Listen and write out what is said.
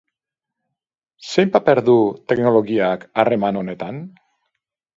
Zein paper du teknologiak harreman honetan?